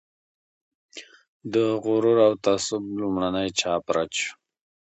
د "غرور او تعصب" لومړنی چاپ رد شو.